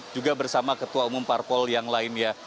juga bersama ketua umum parpol yang lainnya